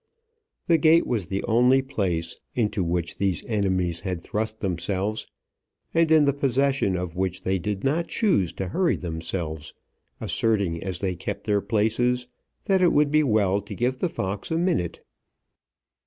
The gate was the only place, into which these enemies had thrust themselves, and in the possession of which they did not choose to hurry themselves, asserting as they kept their places that it would be well to give the fox a minute.